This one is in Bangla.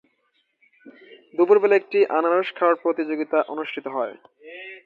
দুপুর বেলা একটি আনারস খাওয়ার প্রতিযোগিতা অনুষ্ঠিত হয়।